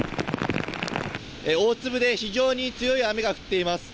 大粒で非常に強い雨が降っています。